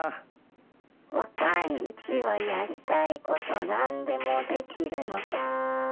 「若いうちはやりたいこと何でもできるのさ」。